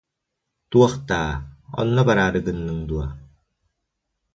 Туох даа, онно бараары гынныҥ дуо